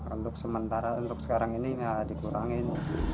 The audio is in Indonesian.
untuk sementara untuk sekarang ini ya dikurangin